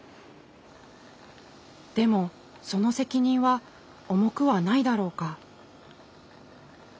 でもその責任は重くはないだろうか？